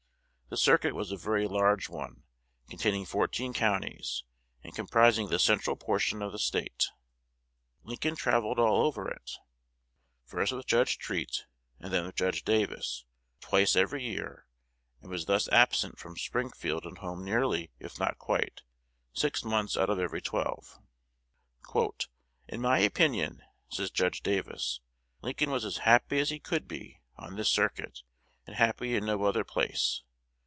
The circuit was a very large one, containing fourteen counties, and comprising the central portion of the State. Lincoln travelled all over it first with Judge Treat and then with Judge Davis twice every year, and was thus absent from Springfield and home nearly, if not quite, six months out of every twelve. "In my opinion," says Judge Davis, "Lincoln was as happy as he could be, on this circuit, and happy in no other place.